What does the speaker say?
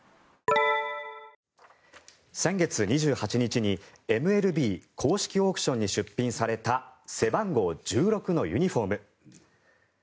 先月２８日にＭＬＢ公式オークションに出品された背番号１６のユニホーム。